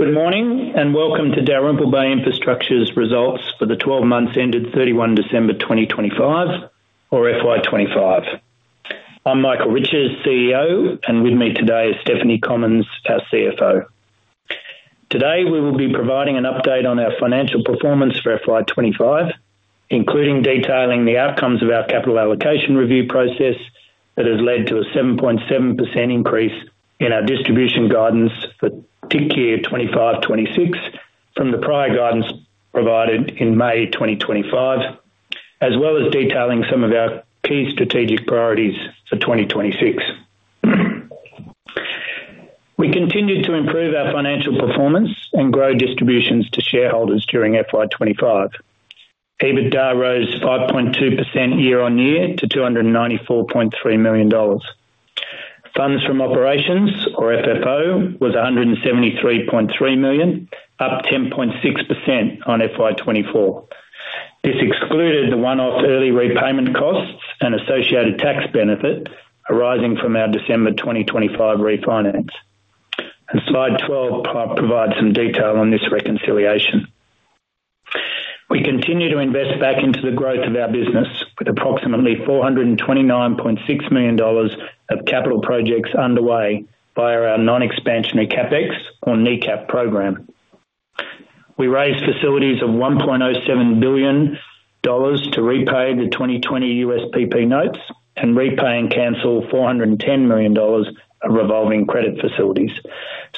Good morning, welcome to Dalrymple Bay Infrastructure's results for the 12 months ended 31 December 2025 or FY25. I'm Michael Riches, CEO, with me today is Stephanie Commons, our CFO. Today, we will be providing an update on our financial performance for FY25, including detailing the outcomes of our capital allocation review process that has led to a 7.7% increase in our distribution guidance for TIC Year 2025-2026 from the prior guidance provided in May 2025, as well as detailing some of our key strategic priorities for 2026. We continued to improve our financial performance and grow distributions to shareholders during FY25. EBITDA rose 5.2% year-on-year to 294.3 million dollars. Funds from operations, or FFO, was 173.3 million, up 10.6% on FY24. This excluded the one-off early repayment costs and associated tax benefit arising from our December 2025 refinance. Slide 12 provides some detail on this reconciliation. We continue to invest back into the growth of our business, with approximately 429.6 million dollars of capital projects underway via our non-expansionary CapEx or Non-Ex CapEx program. We raised facilities of 1.07 billion dollars to repay the 2020 USPP notes and repay and cancel 410 million dollars of revolving credit facilities,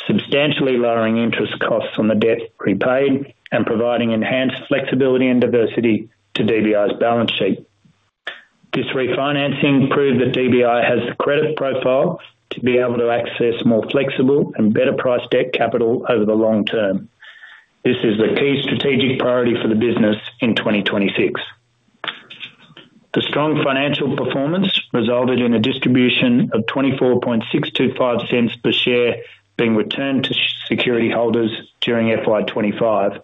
substantially lowering interest costs on the debt prepaid and providing enhanced flexibility and diversity to DBI's balance sheet. This refinancing proved that DBI has the credit profile to be able to access more flexible and better price debt capital over the long term. This is a key strategic priority for the business in 2026. The strong financial performance resulted in a distribution of 0.24625 per share being returned to security holders during FY25,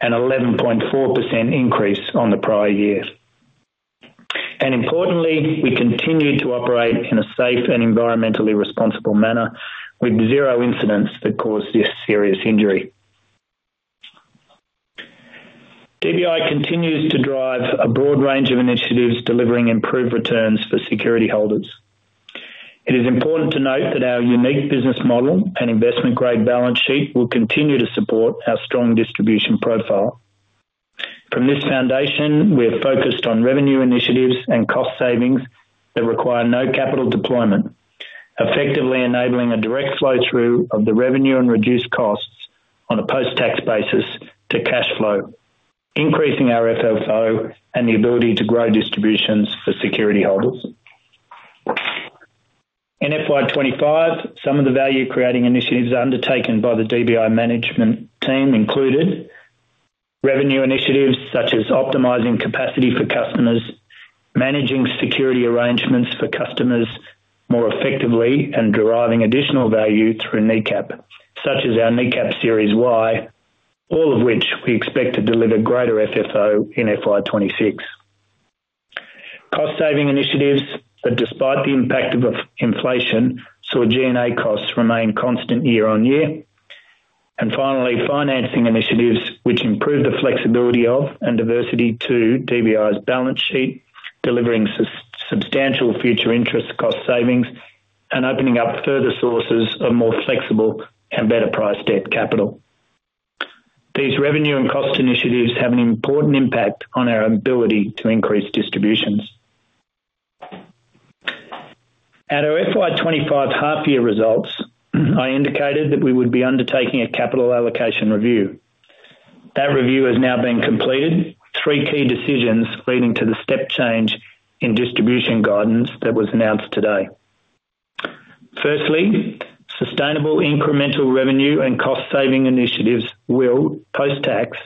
an 11.4% increase on the prior year. Importantly, we continued to operate in a safe and environmentally responsible manner with zero incidents that caused a serious injury. DBI continues to drive a broad range of initiatives, delivering improved returns for security holders. It is important to note that our unique business model and investment-grade balance sheet will continue to support our strong distribution profile. From this foundation, we are focused on revenue initiatives and cost savings that require no capital deployment, effectively enabling a direct flow-through of the revenue and reduced costs on a post-tax basis to cash flow, increasing our FFO and the ability to grow distributions for security holders. In FY25, some of the value-creating initiatives undertaken by the DBI management team included revenue initiatives such as optimizing capacity for customers, managing security arrangements for customers more effectively, and deriving additional value through NECAP, such as our NECAP series Y, all of which we expect to deliver greater FFO in FY26. Cost-saving initiatives that, despite the impact of inflation, saw G&A costs remain constant year-on-year. Finally, financing initiatives, which improve the flexibility of and diversity to DBI's balance sheet, delivering substantial future interest cost savings and opening up further sources of more flexible and better price debt capital. These revenue and cost initiatives have an important impact on our ability to increase distributions. At our FY25 half-year results, I indicated that we would be undertaking a capital allocation review. That review has now been completed, three key decisions leading to the step change in distribution guidance that was announced today. Firstly, sustainable incremental revenue and cost-saving initiatives will, post-tax,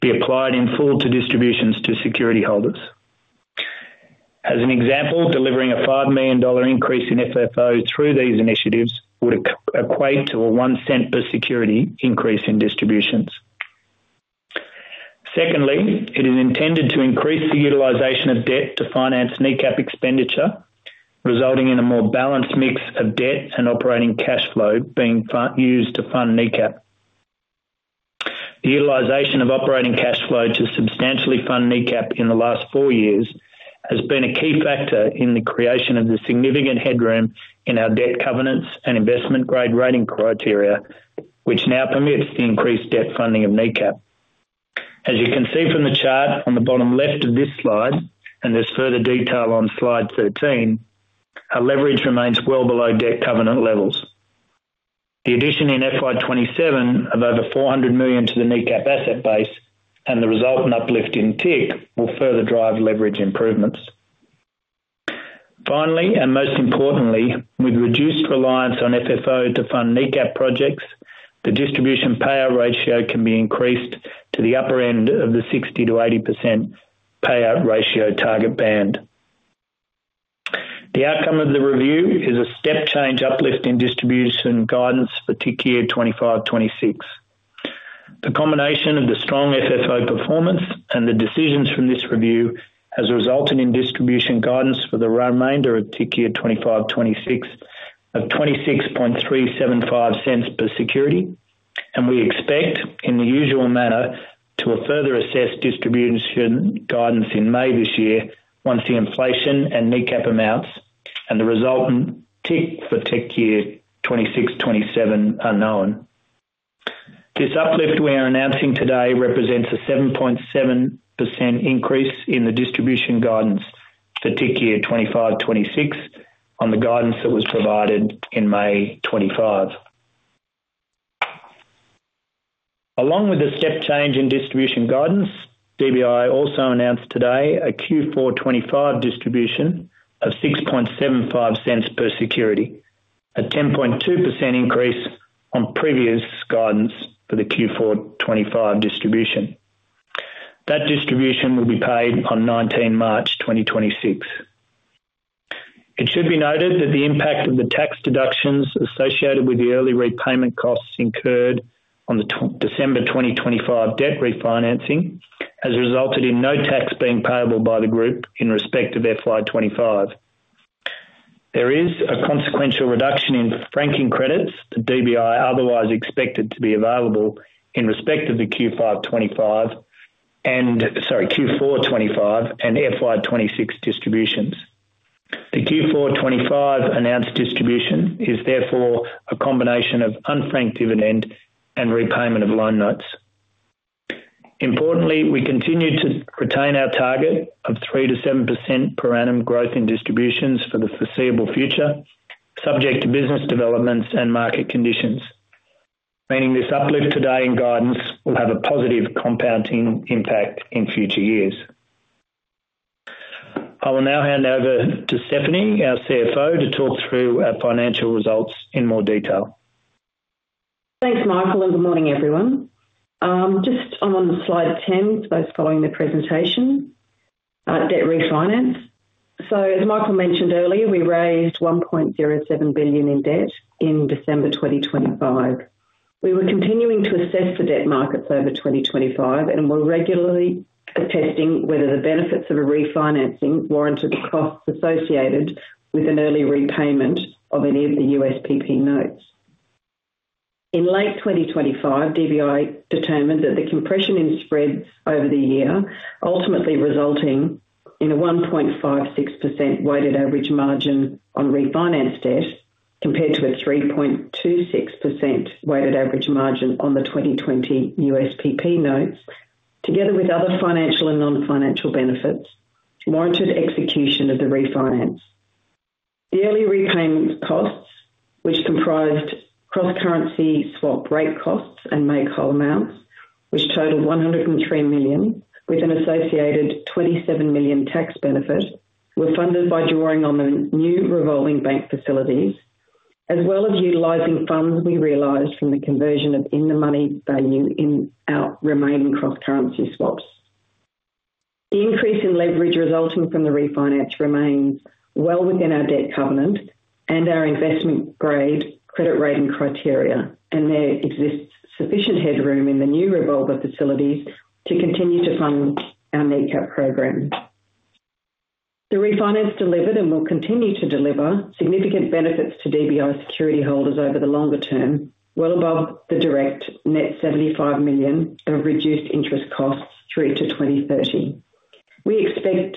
be applied in full to distributions to security holders. As an example, delivering an 5 million dollar increase in FFO through these initiatives would equate to a 1 cent per security increase in distributions. Secondly, it is intended to increase the utilization of debt to finance NECAP expenditure, resulting in a more balanced mix of debt and operating cash flow being used to fund NECAP. The utilization of operating cash flow to substantially fund NECAP in the last four years has been a key factor in the creation of the significant headroom in our debt covenants and investment-grade rating criteria, which now permits the increased debt funding of NECAP. As you can see from the chart on the bottom left of this slide, and there's further detail on slide 13, our leverage remains well below debt covenant levels. The addition in FY27 of over 400 million to the NECAP asset base and the resultant uplift in TIC will further drive leverage improvements. Finally, and most importantly, with reduced reliance on FFO to fund NECAP projects, the distribution payout ratio can be increased to the upper end of the 60%-80% payout ratio target band. The outcome of the review is a step change uplift in distribution guidance for TIC Year 2025, 2026. The combination of the strong FFO performance and the decisions from this review has resulted in distribution guidance for the remainder of TIC Year 2025, 2026 of AUD 0.26375 per security. We expect, in the usual manner, to a further assess distribution guidance in May this year, once the inflation and NECAP amounts and the resultant TIC for TIC Year 2026, 2027 are known. This uplift we are announcing today represents a 7.7% increase in the distribution guidance for TIC Year 2025, 2026 on the guidance that was provided in May 2025. Along with the step change in distribution guidance, DBI also announced today a Q4 2025 distribution of 0.0675 per security, a 10.2% increase on previous guidance for the Q4 2025 distribution. That distribution will be paid on 19 March 2026. It should be noted that the impact of the tax deductions associated with the early repayment costs incurred on 12 December 2025 debt refinancing, has resulted in no tax being payable by the group in respect of FY25. There is a consequential reduction in franking credits to DBI, otherwise expected to be available in respect of the Q4 2025 and FY26 distributions. The Q4 2025 announced distribution is therefore a combination of unfranked dividend and repayment of loan notes. Importantly, we continue to retain our target of 3% to 7% per annum growth in distributions for the foreseeable future, subject to business developments and market conditions, meaning this uplift today in guidance will have a positive compounding impact in future years. I will now hand over to Stephanie, our CFO, to talk through our financial results in more detail. Thanks, Michael. Good morning, everyone. Just on slide 10, for those following the presentation, our debt refinance. As Michael mentioned earlier, we raised 1.07 billion in debt in December 2025. We were continuing to assess the debt markets over 2025 and were regularly assessing whether the benefits of a refinancing warranted the costs associated with an early repayment of any of the USPP notes. In late 2025, DBI determined that the compression in spreads over the year, ultimately resulting in a 1.56% weighted average margin on refinanced debt, compared to a 3.26% weighted average margin on the 2020 USPP notes, together with other financial and non-financial benefits, warranted execution of the refinance. The early repayment costs, which comprised cross-currency swap rate costs and make-whole amounts, which totaled 103 million, with an associated 27 million tax benefit, were funded by drawing on the new revolving bank facilities, as well as utilizing funds we realized from the conversion of in-the-money value in our remaining cross-currency swaps. The increase in leverage resulting from the refinance remains well within our debt covenant and our investment grade credit rating criteria, and there exists sufficient headroom in the new revolver facilities to continue to fund our NECAP program. The refinance delivered and will continue to deliver significant benefits to DBI security holders over the longer term, well above the direct net 75 million of reduced interest costs through to 2030. We expect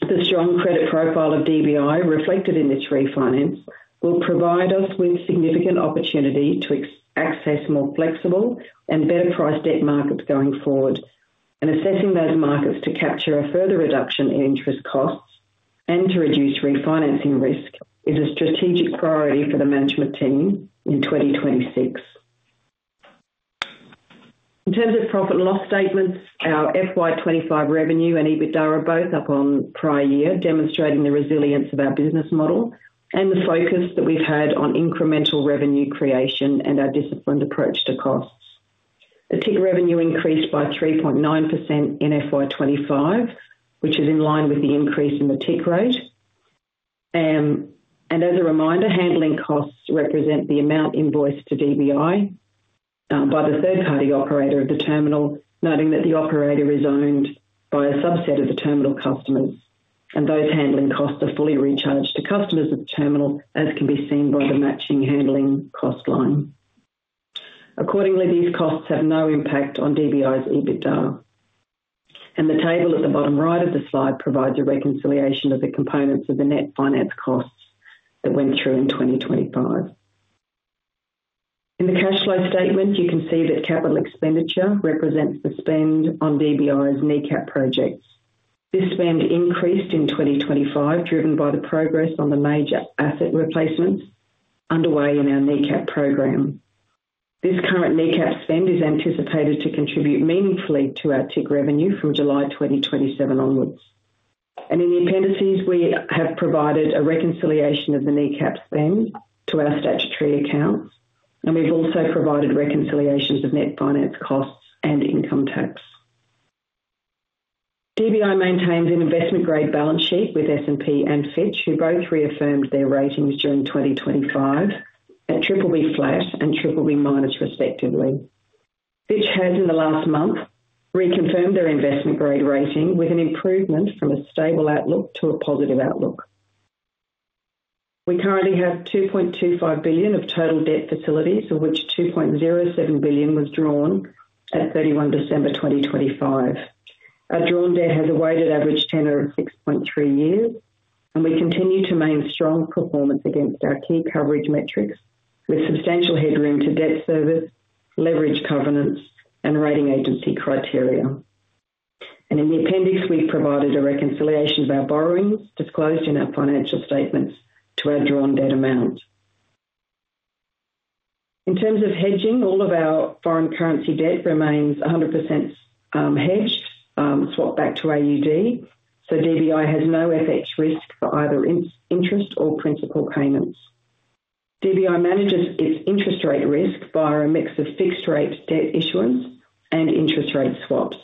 the strong credit profile of DBI, reflected in this refinance, will provide us with significant opportunity to access more flexible and better priced debt markets going forward, and assessing those markets to capture a further reduction in interest costs and to reduce refinancing risk is a strategic priority for the management team in 2026. In terms of profit and loss statements, our FY25 revenue and EBITDA are both up on prior year, demonstrating the resilience of our business model and the focus that we've had on incremental revenue creation and our disciplined approach to costs. The TIC revenue increased by 3.9% in FY25, which is in line with the increase in the TIC rate. As a reminder, handling costs represent the amount invoiced to DBI by the third-party operator of the terminal, noting that the operator is owned by a subset of the terminal customers, and those handling costs are fully recharged to customers of the terminal, as can be seen by the matching handling cost line. Accordingly, these costs have no impact on DBI's EBITDA. The table at the bottom right of the slide provides a reconciliation of the components of the net finance costs that went through in 2025. In the cash flow statement, you can see that capital expenditure represents the spend on DBI's NECAP projects. This spend increased in 2025, driven by the progress on the major asset replacements underway in our NECAP program. This current NECAP spend is anticipated to contribute meaningfully to our TIC revenue from July 2027 onwards. In the appendices, we have provided a reconciliation of the NECAP spend to our statutory accounts, and we've also provided reconciliations of net finance costs and income tax. DBI maintains an investment grade balance sheet with S&P and Fitch, who both reaffirmed their ratings during 2025 at BBB and BBB-, respectively. Fitch has, in the last month, reconfirmed their investment grade rating with an improvement from a stable outlook to a positive outlook. We currently have 2.25 billion of total debt facilities, of which 2.07 billion was drawn at 31 December 2025. Our drawn debt has a weighted average tenor of 6.3 years. We continue to maintain strong performance against our key coverage metrics, with substantial headroom to debt service, leverage covenants, and rating agency criteria. In the appendix, we've provided a reconciliation of our borrowings disclosed in our financial statements to our drawn debt amount. In terms of hedging, all of our foreign currency debt remains 100% hedged, swap back to AUD, so DBI has no FX risk for either in-interest or principal payments. DBI manages its interest rate risk via a mix of fixed rate debt issuance and interest rate swaps.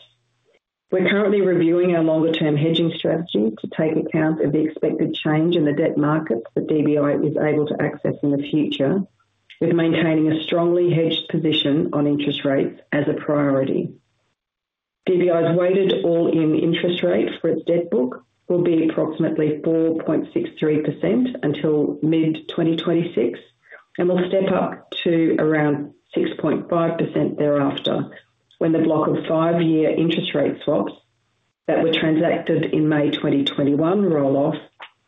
We're currently reviewing our longer term hedging strategy to take account of the expected change in the debt markets that DBI is able to access in the future, with maintaining a strongly hedged position on interest rates as a priority. DBI's weighted all-in interest rate for its debt book will be approximately 4.63% until mid-2026, and will step up to around 6.5% thereafter, when the block of five-year interest rate swaps that were transacted in May 2021 roll off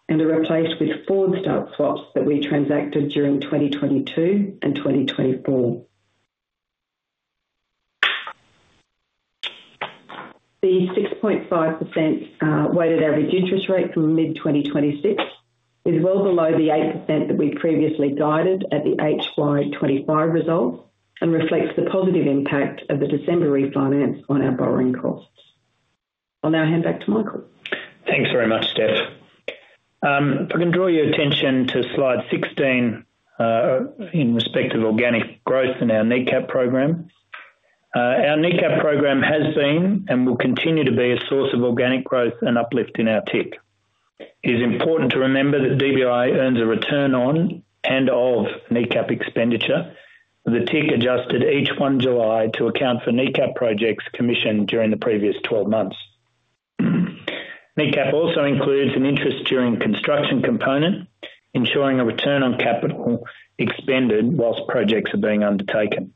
and are replaced with forward start swaps that we transacted during 2022 and 2024. The 6.5% weighted average interest rate from mid-2026 is well below the 8% that we previously guided at the HY 2025 results and reflects the positive impact of the December refinance on our borrowing costs. I'll now hand back to Michael. Thanks very much, Steph. If I can draw your attention to slide 16 in respect of organic growth in our NECAP program. Our NECAP program has been and will continue to be a source of organic growth and uplift in our TIC. It is important to remember that DBI earns a return on and of NECAP expenditure. The TIC adjusted each 1 July to account for NECAP projects commissioned during the previous 12 months. NECAP also includes an interest during construction component, ensuring a return on capital expended whilst projects are being undertaken.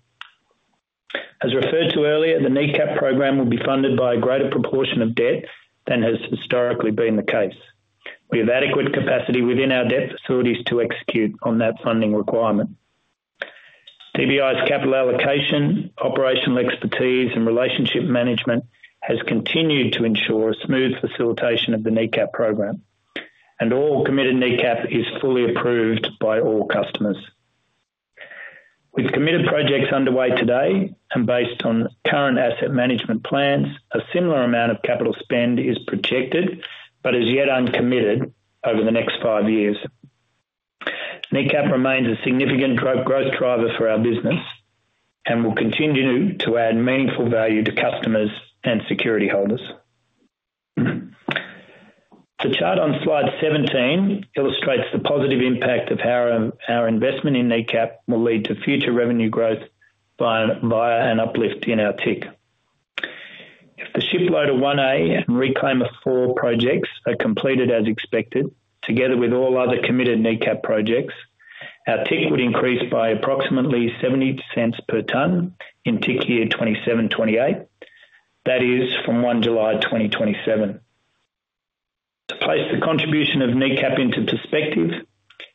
As referred to earlier, the NECAP program will be funded by a greater proportion of debt than has historically been the case. We have adequate capacity within our debt facilities to execute on that funding requirement. DBI's capital allocation, operational expertise, and relationship management has continued to ensure a smooth facilitation of the NECAP program. All committed NECAP is fully approved by all customers. With committed projects underway today and based on current asset management plans, a similar amount of capital spend is projected, but is yet uncommitted over the next five years. NECAP remains a significant growth driver for our business and will continue to add meaningful value to customers and security holders. The chart on slide 17 illustrates the positive impact of how our investment in NECAP will lead to future revenue growth via an uplift in our TIC. If the Shiploader 1A and Reclaimer 4 projects are completed as expected, together with all other committed NECAP projects, our TIC would increase by approximately 0.70 per ton in TIC Year 2027, 2028. That is from 1 July 2027. To place the contribution of NECAP into perspective,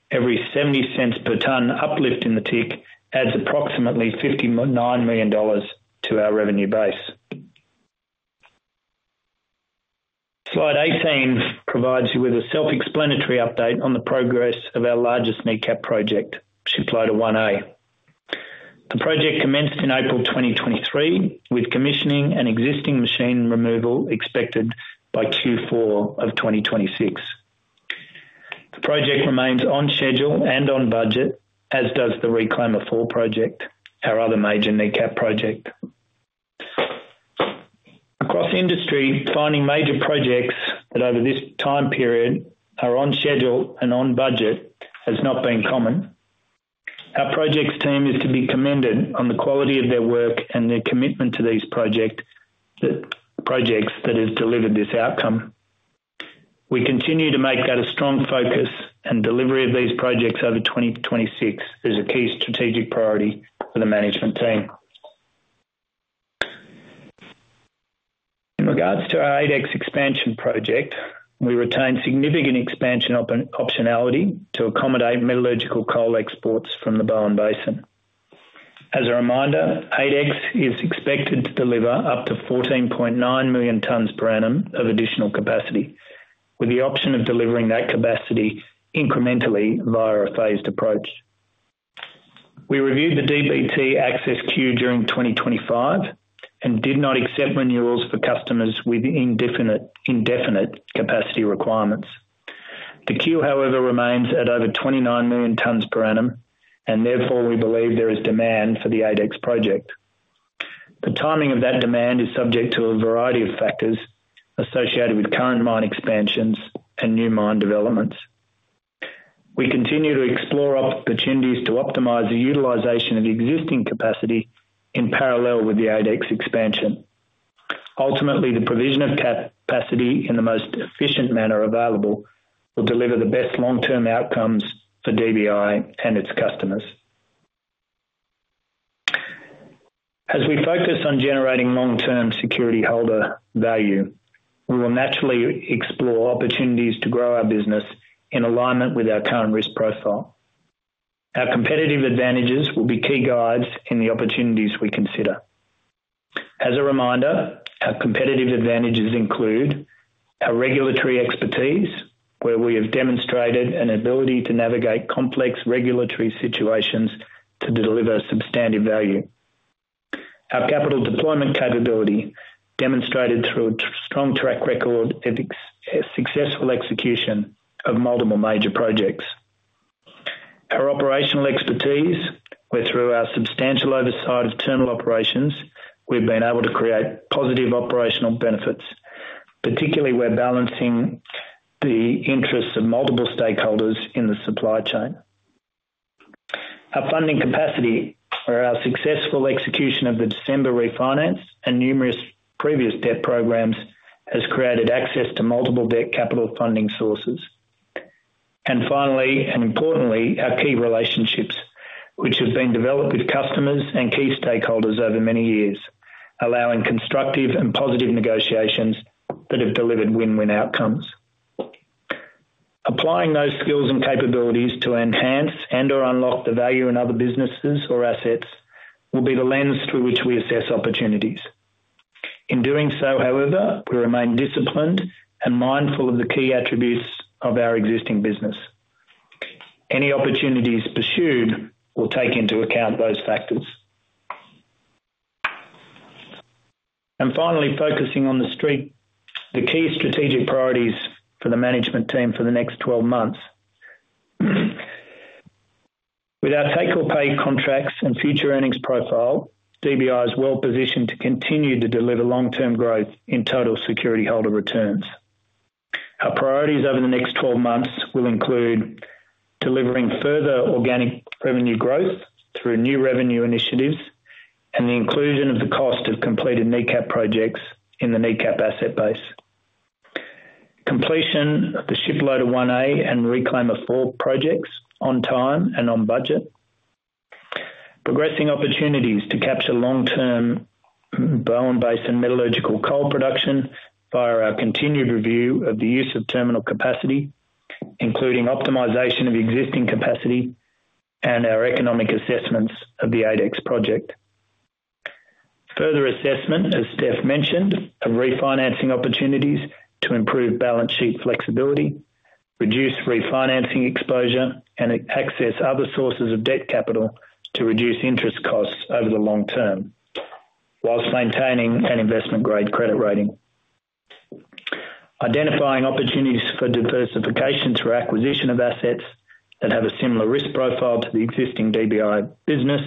every 0.70 per ton uplift in the TIC adds approximately 59 million dollars to our revenue base. Slide 18 provides you with a self-explanatory update on the progress of our largest NECAP project, Shiploader 1A. The project commenced in April 2023, with commissioning and existing machine removal expected by Q4 of 2026. The project remains on schedule and on budget, as does the Reclaimer 4 project, our other major NECAP project. Across industry, finding major projects that over this time period are on schedule and on budget has not been common. Our projects team is to be commended on the quality of their work and their commitment to these projects that has delivered this outcome. We continue to make that a strong focus. Delivery of these projects over 2026 is a key strategic priority for the management team. In regards to our 8X expansion project, we retain significant expansion optionality to accommodate metallurgical coal exports from the Bowen Basin. As a reminder, 8X is expected to deliver up to 14.9 million tons per annum of additional capacity, with the option of delivering that capacity incrementally via a phased approach. We reviewed the DBT access queue during 2025 and did not accept renewals for customers with indefinite capacity requirements. The queue, however, remains at over 29 million tons per annum. Therefore, we believe there is demand for the 8X project. The timing of that demand is subject to a variety of factors associated with current mine expansions and new mine developments. We continue to explore opportunities to optimize the utilization of existing capacity in parallel with the 8X expansion. Ultimately, the provision of capacity in the most efficient manner available will deliver the best long-term outcomes for DBI and its customers. As we focus on generating long-term security holder value, we will naturally explore opportunities to grow our business in alignment with our current risk profile. Our competitive advantages will be key guides in the opportunities we consider. As a reminder, our competitive advantages include: our regulatory expertise, where we have demonstrated an ability to navigate complex regulatory situations to deliver substantive value. Our capital deployment capability, demonstrated through a strong track record of successful execution of multiple major projects. Our operational expertise, where through our substantial oversight of terminal operations, we've been able to create positive operational benefits, particularly where balancing the interests of multiple stakeholders in the supply chain. Our funding capacity, where our successful execution of the December refinance and numerous previous debt programs has created access to multiple debt capital funding sources. Finally, and importantly, our key relationships, which have been developed with customers and key stakeholders over many years, allowing constructive and positive negotiations that have delivered win-win outcomes. Applying those skills and capabilities to enhance and/or unlock the value in other businesses or assets, will be the lens through which we assess opportunities. In doing so, however, we remain disciplined and mindful of the key attributes of our existing business. Any opportunities pursued will take into account those factors. Finally, focusing on the street, the key strategic priorities for the management team for the next 12 months. With our take-or-pay contracts and future earnings profile, DBI is well positioned to continue to deliver long-term growth in total security holder returns. Our priorities over the next 12 months will include: delivering further organic revenue growth through new revenue initiatives and the inclusion of the cost of completed NECAP projects in the NECAP asset base. Completion of the Shiploader 1A and Reclaimer 4 projects on time and on budget. Progressing opportunities to capture long-term Bowen Basin metallurgical coal production via our continued review of the use of terminal capacity, including optimization of existing capacity and our economic assessments of the 8X Project. Further assessment, as Steph mentioned, of refinancing opportunities to improve balance sheet flexibility, reduce refinancing exposure, and access other sources of debt capital to reduce interest costs over the long term, whilst maintaining an investment-grade credit rating. Identifying opportunities for diversification through acquisition of assets that have a similar risk profile to the existing DBI business,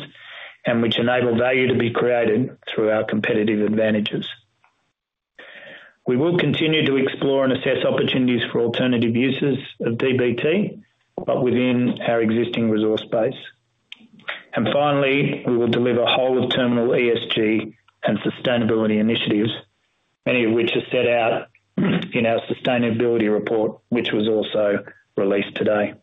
and which enable value to be created through our competitive advantages. We will continue to explore and assess opportunities for alternative uses of DBT, but within our existing resource base. Finally, we will deliver whole-of-terminal ESG and sustainability initiatives, many of which are set out in our sustainability report, which was also released today.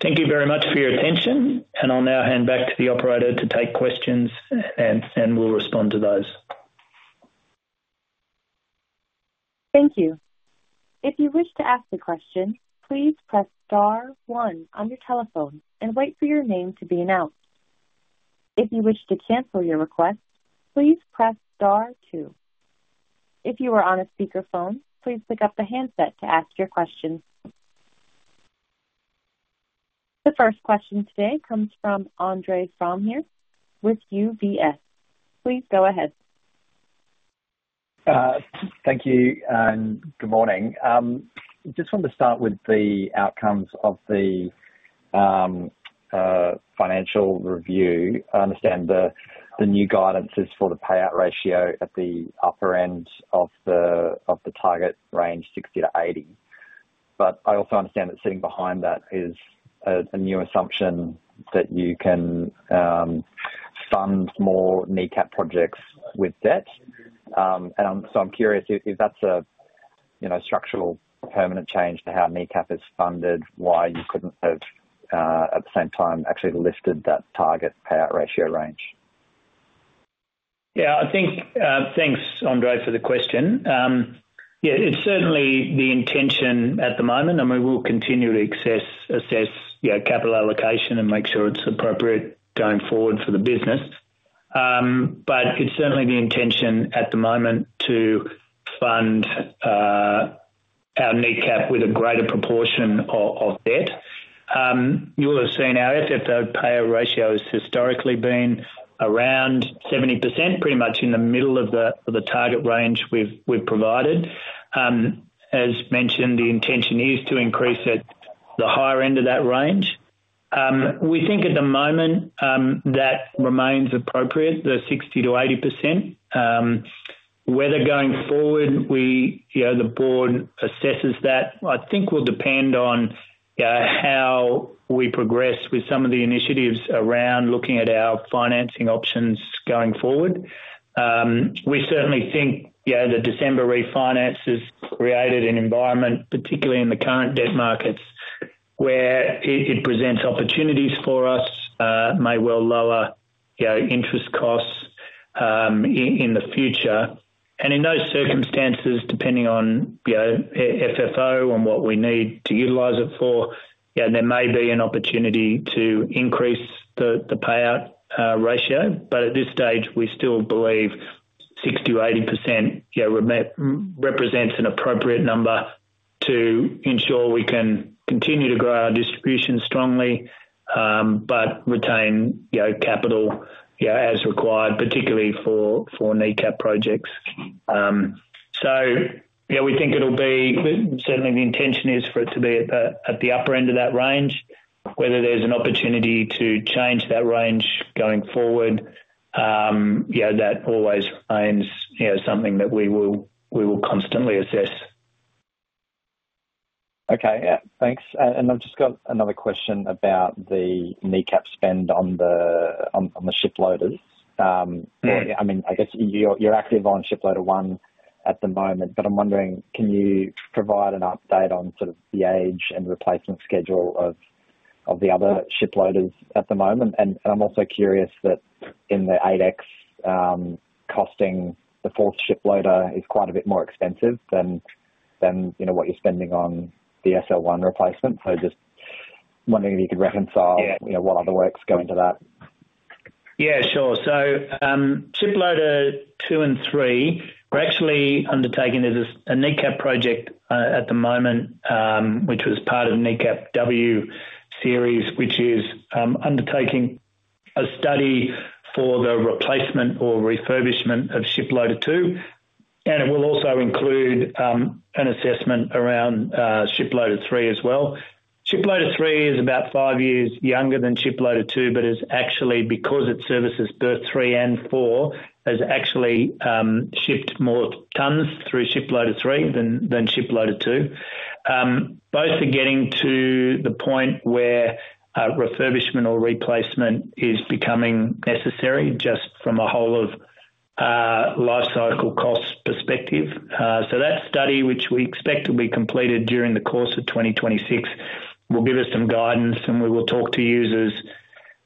Thank you very much for your attention, and I'll now hand back to the operator to take questions, and we'll respond to those. Thank you. If you wish to ask a question, please press star one on your telephone and wait for your name to be announced. If you wish to cancel your request, please press star two. If you are on a speakerphone, please pick up the handset to ask your question. The first question today comes from Andre Fromyhr with UBS. Please go ahead. Thank you, good morning. Just wanted to start with the outcomes of the financial review. I understand the new guidances for the payout ratio at the upper end of the target range, 60%-80%. I also understand that sitting behind that is a new assumption that you can fund more NECAP projects with debt. I'm curious if that's a, you know, structural permanent change to how NECAP is funded, why you couldn't have at the same time, actually lifted that target payout ratio range? I think, thanks, Andre, for the question. It's certainly the intention at the moment, and we will continue to assess, you know, capital allocation and make sure it's appropriate going forward for the business. It's certainly the intention at the moment to fund our NECAP with a greater proportion of, of debt.... You will have seen our FFO payout ratio has historically been around 70%, pretty much in the middle of the, of the target range we've, we've provided. As mentioned, the intention is to increase it, the higher end of that range. We think at the moment, that remains appropriate, the 60%-80%. Whether going forward, we, you know, the board assesses that, I think will depend on how we progress with some of the initiatives around looking at our financing options going forward. We certainly think, you know, the December refinance has created an environment, particularly in the current debt markets, where it, it presents opportunities for us, may well lower, you know, interest costs, in, in the future. In those circumstances, depending on, you know, FFO and what we need to utilize it for, yeah, there may be an opportunity to increase the, the payout ratio. At this stage, we still believe 60%-80%, yeah, represents an appropriate number to ensure we can continue to grow our distribution strongly, but retain, you know, capital, yeah, as required, particularly for, for NECAP projects. Yeah, we think it'll be... Certainly the intention is for it to be at the, at the upper end of that range. Whether there's an opportunity to change that range going forward, yeah, that always remains, you know, something that we will, we will constantly assess. Okay. Yeah, thanks. I've just got another question about the NECAP spend on the, on, on the ship loaders. Mm. I mean, I guess you're, you're active on Ship Loader 1 at the moment, but I'm wondering, can you provide an update on sort of the age and replacement schedule of, of the other ship loaders at the moment? And I'm also curious that in the 8X costing, the 4th Ship Loader is quite a bit more expensive than, than, you know, what you're spending on the SL1 replacement. Just wondering if you could reconcile- Yeah. You know, what other works go into that? Yeah, sure. Ship Loader 2 and 3 are actually undertaking this, a NECAP project at the moment, which was part of the NECAP W series, which is undertaking a study for the replacement or refurbishment of Ship Loader 2, and it will also include an assessment around Ship Loader 3 as well. Ship Loader 3 is about five years younger than Ship Loader 2, but is actually because it services berth 3 and 4, has actually shipped more tons through Ship Loader 3 than Ship Loader 2. Both are getting to the point where refurbishment or replacement is becoming necessary, just from a whole of life cycle cost perspective. That study, which we expect to be completed during the course of 2026, will give us some guidance, and we will talk to you as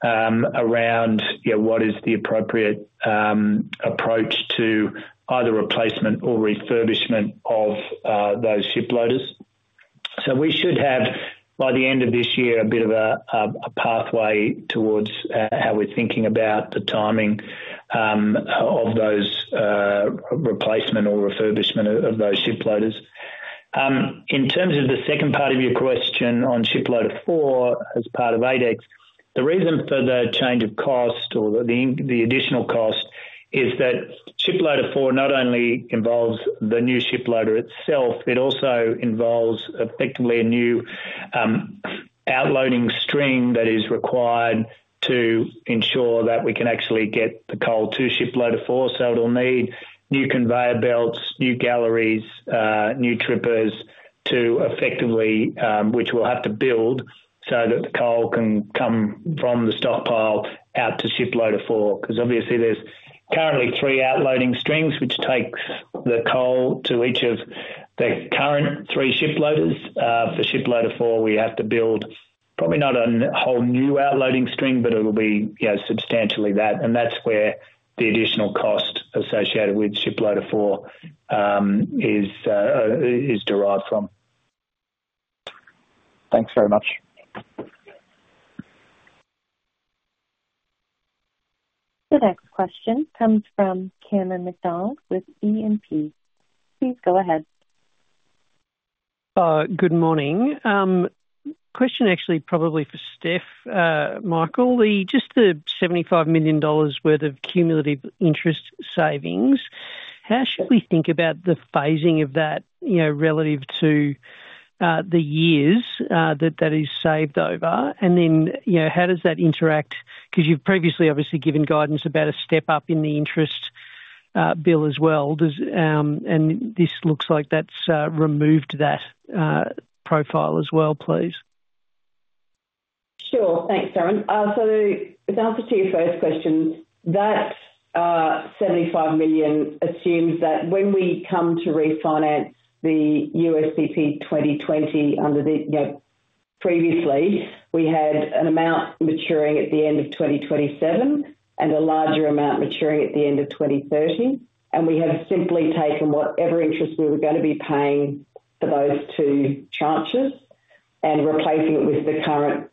around, you know, what is the appropriate approach to either replacement or refurbishment of those ship loaders. We should have, by the end of this year, a bit of a pathway towards how we're thinking about the timing of those replacement or refurbishment of those ship loaders. In terms of the second part of your question on Ship Loader 4 as part of 8X Project, the reason for the change of cost or the additional cost is that Ship Loader 4 not only involves the new ship loader itself, it also involves effectively a new outloading string that is required to ensure that we can actually get the coal to Ship Loader 4. It'll need new conveyor belts, new galleries, new trippers to effectively, which we'll have to build so that the coal can come from the stockpile out to Ship Loader 4. Obviously there's currently 3 outloading strings, which takes the coal to each of the current 3 ship loaders. For Ship Loader 4, we have to build probably not a whole new outloading string, but it'll be, you know, substantially that. That's where the additional cost associated with Ship Loader 4 is derived from. Thanks very much. The next question comes from Cameron McDonald with E&P Financial Group. Please go ahead. Good morning. Question actually probably for Stephanie Commons, Michael Riches. Just the 75 million dollars worth of cumulative interest savings, how should we think about the phasing of that, you know, relative to the years that is saved over? You know, how does that interact? Because you've previously obviously given guidance about a step up in the interest bill as well. Does, and this looks like that's removed that profile as well, please. Thanks, Cameron. The answer to your first question, that 75 million assumes that when we come to refinance the USPP 2020 under the, you know, previously, we had an amount maturing at the end of 2027 and a larger amount maturing at the end of 2030, and we have simply taken whatever interest we were going to be paying for those two tranches and replacing it with the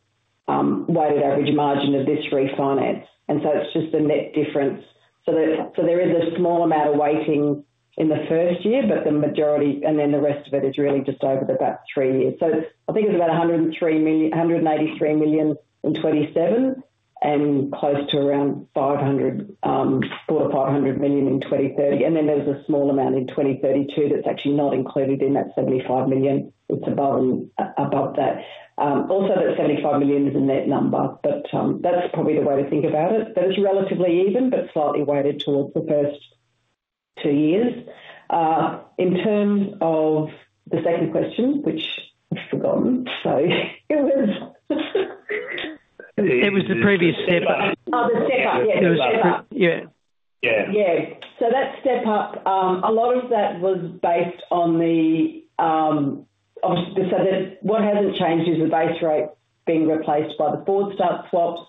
weighted average margin of this refinance. It's just the net difference. There is a small amount of weighting in the first year, but the majority, and then the rest of it is really just over about 3 years. I think it's about 103 million, 183 million in 2027, and close to around 500 million, 400 million-500 million in 2030. Then there's a small amount in 2032 that's actually not included in that 75 million. It's above, above that. Also, that 75 million is a net number, but that's probably the way to think about it. It's relatively even, but slightly weighted towards the first two years. In terms of the second question, which I've forgotten, so it was... It was the previous step up. Oh, the step up. Yeah, the step up. Yeah. Yeah. Yeah. That step up, a lot of that was based on the obviously, what hasn't changed is the base rate being replaced by the interest rate swaps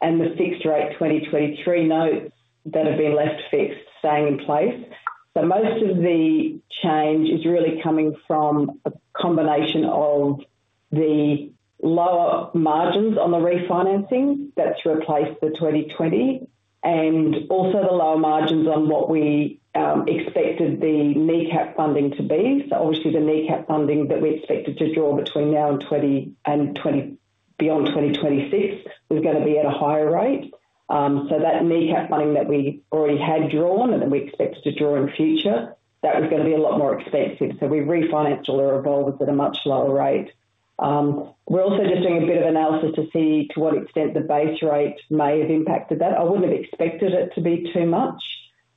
and the fixed rate 2023 notes that have been left fixed, staying in place. Most of the change is really coming from a combination of the lower margins on the refinancing that's replaced the 2020, and also the lower margins on what we expected the NECAP funding to be. Obviously, the NECAP funding that we expected to draw between now and beyond 2026 was gonna be at a higher rate. That NECAP funding that we already had drawn and that we expect to draw in future, that was gonna be a lot more expensive. We refinanced all our revolvers at a much lower rate. We're also just doing a bit of analysis to see to what extent the base rate may have impacted that. I wouldn't have expected it to be too much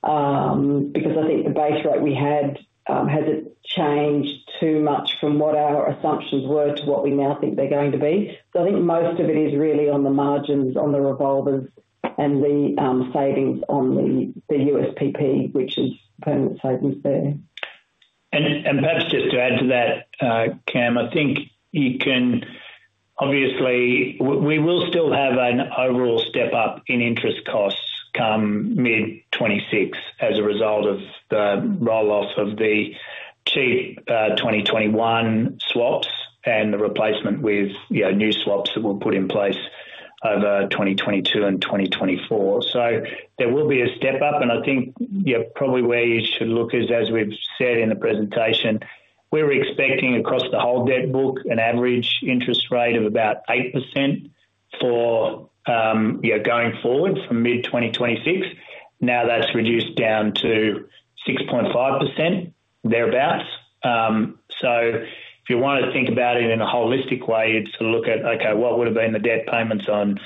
because I think the base rate we had hasn't changed too much from what our assumptions were to what we now think they're going to be. I think most of it is really on the margins, on the revolvers and the savings on the USPP, which is permanent savings there. Perhaps just to add to that, Cam, I think you can obviously... We will still have an overall step up in interest costs come mid-2026 as a result of the roll-off of the cheap, 2021 swaps and the replacement with, you know, new swaps that were put in place over 2022 and 2024. There will be a step up, and I think, yeah, probably where you should look is, as we've said in the presentation, we're expecting across the whole debt book, an average interest rate of about 8% for, yeah, going forward from mid-2026. Now, that's reduced down to 6.5%, thereabout. If you want to think about it in a holistic way, you'd sort of look at, okay, what would have been the debt payments on,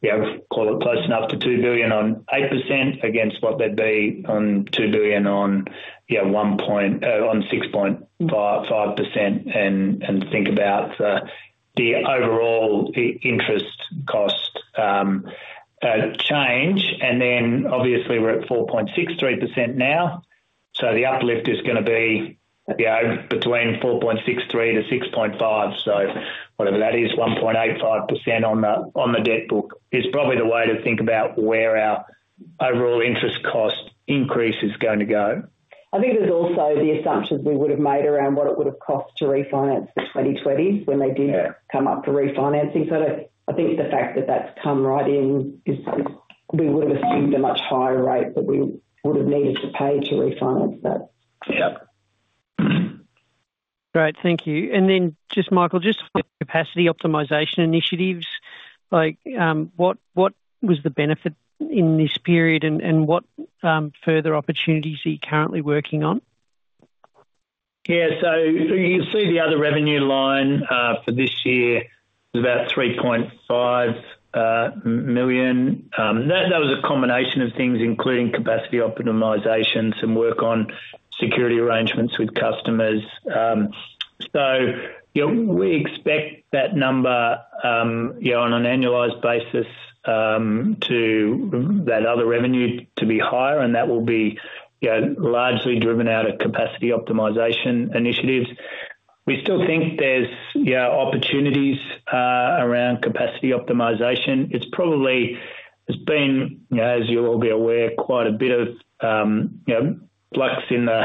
you know, call it close enough to 2 billion on 8% against what they'd be on 2 billion on 6.5%, and think about the overall interest cost change. Then obviously we're at 4.63% now, so the uplift is gonna be, you know, between 4.63%-6.5%. Whatever that is, 1.85% on the, on the debt book, is probably the way to think about where our overall interest cost increase is going to go. I think there's also the assumptions we would have made around what it would have cost to refinance the 2020s when they did. Yeah come up for refinancing. I think the fact that that's come right in is, we would have assumed a much higher rate that we would have needed to pay to refinance that. Yeah. Great, thank you. Then just Michael, just capacity optimization initiatives, like, what, what was the benefit in this period and what further opportunities are you currently working on? You see the other revenue line for this year is about 3.5 million. That, that was a combination of things, including capacity optimization, some work on security arrangements with customers. So, you know, we expect that number, you know, on an annualized basis, That other revenue to be higher, and that will be, you know, largely driven out of capacity optimization initiatives. We still think there's, yeah, opportunities around capacity optimization. It's probably, it's been, you know, as you'll all be aware, quite a bit of, you know, flux in the,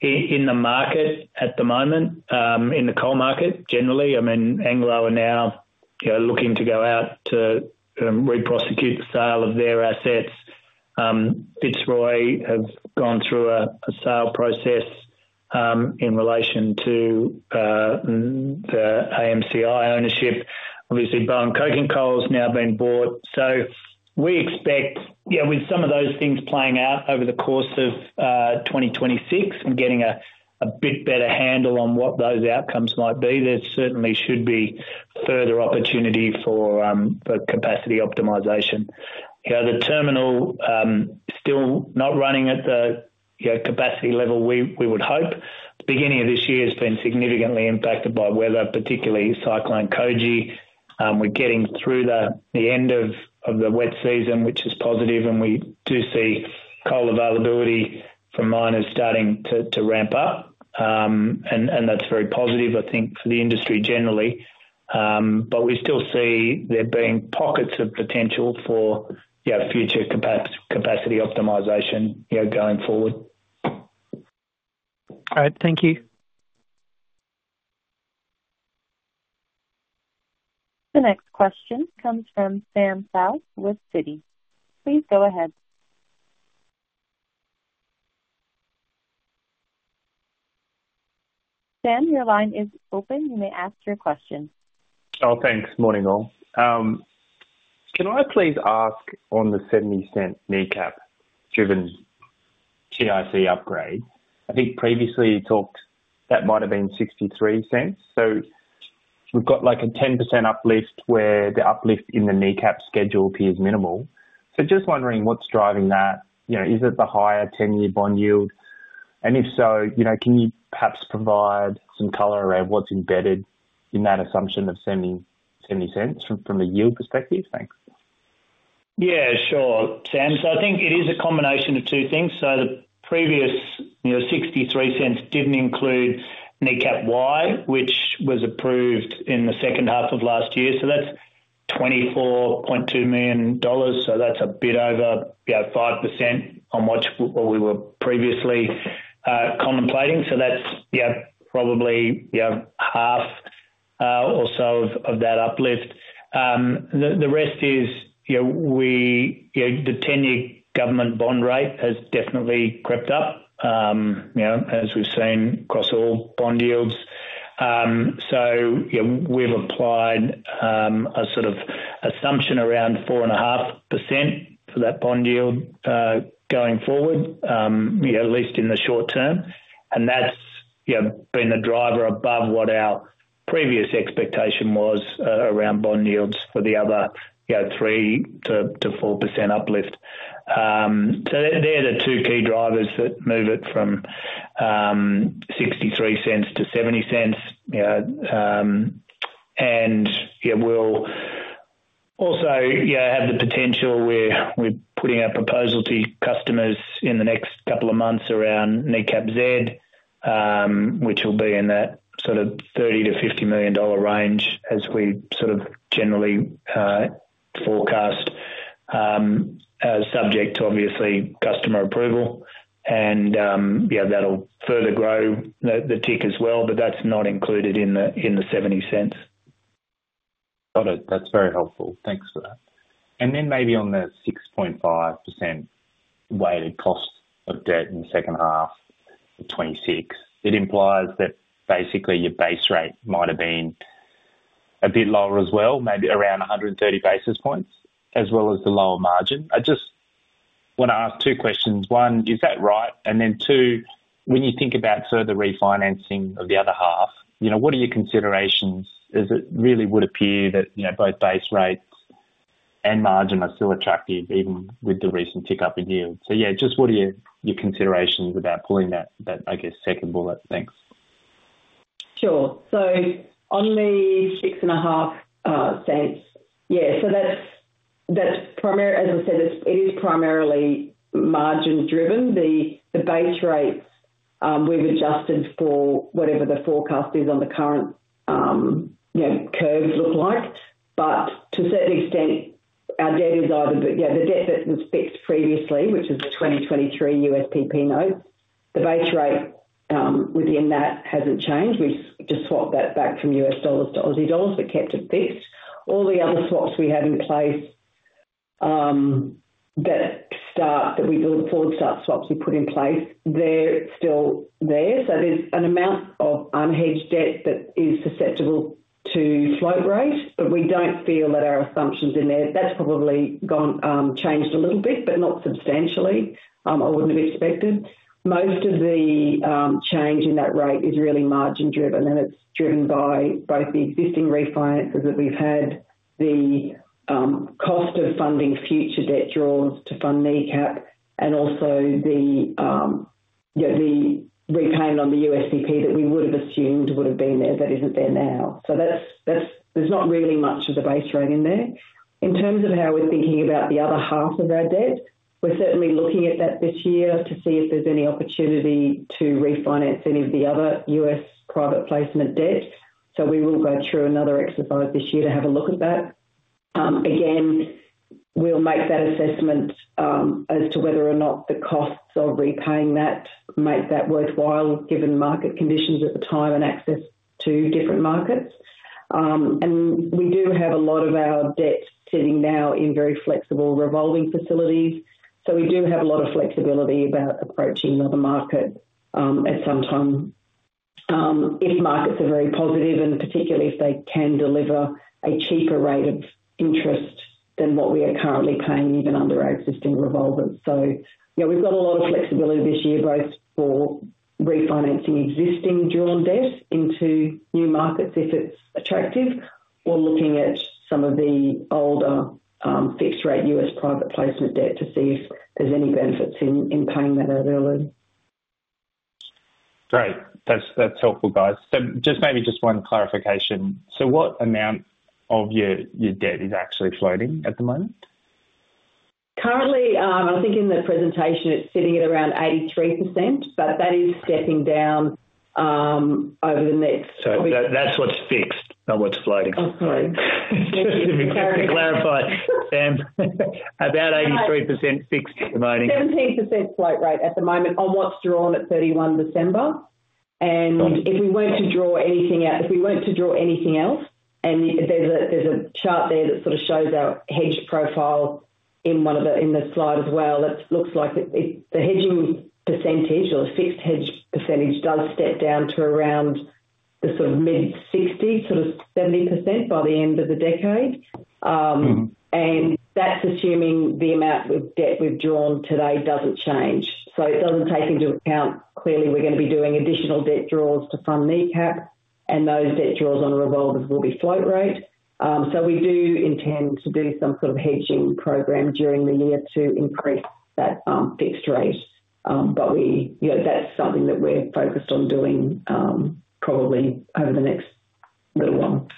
in the market at the moment, in the coal market generally. Anglo are now, you know, looking to go out to reprosecute the sale of their assets. Fitzroy have gone through a sale process in relation to the AMCI ownership. Obviously, Bowen Coking Coal has now been bought. We expect with some of those things playing out over the course of 2026 and getting a bit better handle on what those outcomes might be, there certainly should be further opportunity for capacity optimization. The terminal still not running at the capacity level we would hope. The beginning of this year has been significantly impacted by weather, particularly Cyclone Koji. We're getting through the end of the wet season, which is positive, and we do see coal availability from miners starting to ramp up. And that's very positive, I think, for the industry generally. We still see there being pockets of potential for, you know, future capacity optimization, you know, going forward. All right, thank you. The next question comes from Samuel Seow with Citi. Please go ahead. Sam, your line is open. You may ask your question. Oh, thanks. Morning, all. Can I please ask on the 0.70 NECAP driven TIC upgrade? I think previously you talked that might have been 0.63. We've got, like, a 10% uplift, where the uplift in the NECAP schedule appears minimal. Just wondering what's driving that. You know, is it the higher 10-year bond yield? If so, you know, can you perhaps provide some color around what's embedded in that assumption of 0.70 from a yield perspective? Thanks. Yeah, sure, Sam. I think it is a combination of 2 things. The previous, you know, 0.63 didn't include NECAP Y, which was approved in the second half of last year. That's 24.2 million dollars. That's a bit over, you know, 5% on what, what we were previously contemplating. That's, yeah, probably, yeah, half or so of that uplift. The rest is, you know, we, you know, the 10-year government bond rate has definitely crept up, you know, as we've seen across all bond yields. Yeah, we've applied a sort of assumption around 4.5% for that bond yield going forward, you know, at least in the short term. That's, you know, been the driver above what our previous expectation was, around bond yields for the other, you know, 3%-4% uplift. They're the two key drivers that move it from 0.63 to 0.70, you know, and, yeah, we'll also, you know, have the potential where we're putting our proposal to customers in the next couple of months around NECAP Z, which will be in that sort of 30 million-50 million dollar range, as we sort of generally, forecast, as subject to obviously customer approval. Yeah, that'll further grow the, the TIC as well, but that's not included in the, in the 0.70. Got it. That's very helpful. Thanks for that. Then maybe on the 6.5% weighted cost of debt in the second half of 2026, it implies that basically your base rate might have been a bit lower as well, maybe around 130 basis points, as well as the lower margin. I just want to ask 2 questions. One, is that right? Then two, when you think about further refinancing of the other half, you know, what are your considerations? Is it really would appear that, you know, both base rates and margin are still attractive even with the recent tick up in yield. Yeah, just what are your, your considerations about pulling that, that, I guess, second bullet? Thanks. Sure. On the AUD 0.065, yeah, as I said, it is primarily margin driven. The base rates, we've adjusted for whatever the forecast is on the current, you know, curves look like. To a certain extent, our debt is either the debt that was fixed previously, which is the 2023 USPP note, the base rate within that hasn't changed. We've just swapped that back from $ to AUD, but kept it fixed. All the other swaps we have in place, that start, that we build forward start swaps we put in place, they're still there. There's an amount of unhedged debt that is susceptible to slope rate, but we don't feel that our assumptions in there... That's probably gone changed a little bit, but not substantially, I wouldn't have expected. Most of the change in that rate is really margin driven, and it's driven by both the existing refinances that we've had, the cost of funding future debt draws to fund the NECAP, and also the yeah, the repayment on the USPP that we would have assumed would have been there, that isn't there now. That's, that's there's not really much of a base rate in there. In terms of how we're thinking about the other half of our debt, we're certainly looking at that this year to see if there's any opportunity to refinance any of the other U.S. private placement debt. We will go through another exercise this year to have a look at that. Again, we'll make that assessment as to whether or not the costs of repaying that make that worthwhile, given market conditions at the time and access to different markets. We do have a lot of our debt sitting now in very flexible revolving facilities, so we do have a lot of flexibility about approaching another market at some time. If markets are very positive and particularly if they can deliver a cheaper rate of interest than what we are currently paying, even under our existing revolvers. You know, we've got a lot of flexibility this year, both for refinancing existing drawn debts into new markets if it's attractive, or looking at some of the older, fixed rate US private placement debt to see if there's any benefits in, in paying that out early. Great. That's, that's helpful, guys. Just maybe just one clarification: so what amount of your, your debt is actually floating at the moment? Currently, I think in the presentation, it's sitting at around 83%, but that is stepping down-... over the next- That's what's fixed, not what's floating. Oh, sorry. Just to clarify, Sam, about 83% fixed at the moment. 17% float rate at the moment on what's drawn at 31 December. If we were to draw anything out, if we were to draw anything else, there's a, there's a chart there that sort of shows our hedge profile in one of the, in the slide as well. It looks like it, it, the hedging percentage or the fixed hedge percentage does step down to around the sort of mid-60, sort of 70% by the end of the decade. Mm. That's assuming the amount with debt withdrawn today doesn't change. It doesn't take into account... Clearly, we're gonna be doing additional debt draws to fund NECAP, and those debt draws on revolvers will be float rate. We do intend to do some sort of hedging program during the year to increase that fixed rate. We, you know, that's something that we're focused on doing probably over the next little while.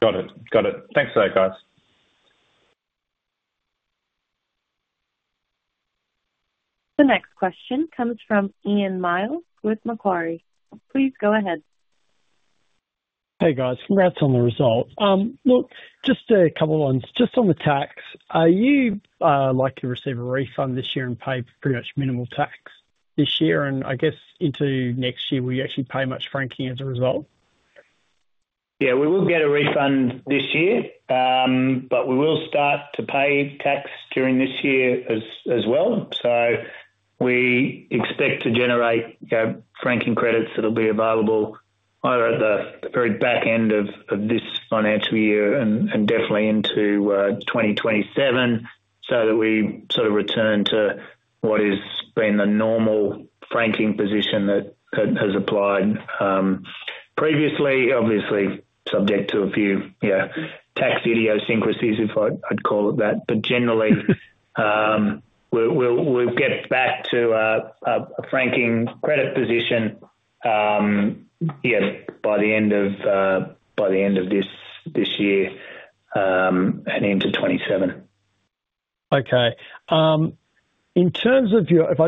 Got it. Got it. Thanks a lot, guys. The next question comes from Ian Myles with Macquarie. Please go ahead. Hey, guys, congrats on the result. Look, just a couple ones. Just on the tax, are you likely to receive a refund this year and pay pretty much minimal tax this year, and I guess into next year, will you actually pay much franking as a result? Yeah, we will get a refund this year, but we will start to pay tax during this year as, as well. We expect to generate, you know, franking credits that'll be available either at the very back end of, of this financial year and, and definitely into 2027, so that we sort of return to what has been the normal franking position that has, has applied previously, obviously subject to a few, you know, tax idiosyncrasies, if I- I'd call it that. Generally, we'll, we'll, we'll get back to a franking credit position, yeah, by the end of, by the end of this, this year, and into 2027. Okay, If I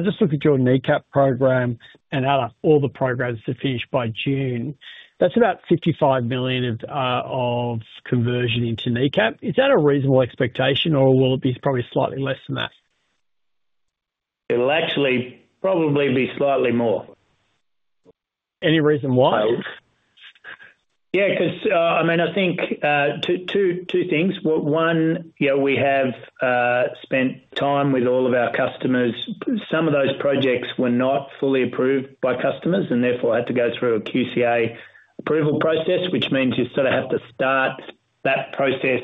just look at your NECAP program and add up all the programs to finish by June, that's about 55 million of conversion into NECAP. Is that a reasonable expectation, or will it be probably slightly less than that? It'll actually probably be slightly more. Any reason why? 'Cause, I mean, I think, two, two, two things. One, you know, we have spent time with all of our customers. Some of those projects were not fully approved by customers, and therefore, had to go through a QCA approval process, which means you sort of have to start that process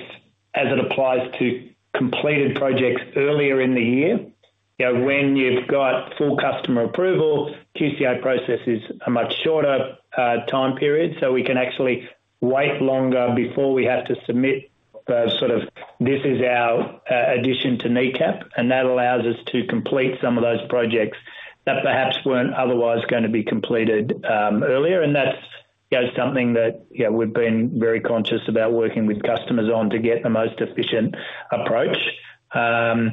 as it applies to completed projects earlier in the year. You know, when you've got full customer approval, QCA process is a much shorter time period, so we can actually wait longer before we have to submit the, sort of this is our addition to NECAP, and that allows us to complete some of those projects that perhaps weren't otherwise gonna be completed earlier. That's, you know, something that, you know, we've been very conscious about working with customers on to get the most efficient approach. Yeah,